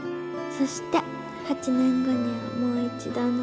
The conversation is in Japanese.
そして８年後にはもう一度